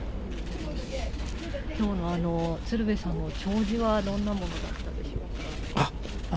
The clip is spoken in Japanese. きょうの鶴瓶さんの弔辞はどんなものだったでしょうか。